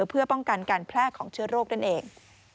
เพื่อป้องกันการแพร่ของเชื้อโรคนั่นเอง